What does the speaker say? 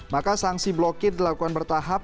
maka sanksi blokir dilakukan bertahap